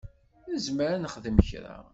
Nezmer ad nexdem kra.